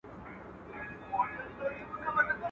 کارگه وايي، زما سپين ککيه زويه، جيږگى وايي زما پستکيه زويه.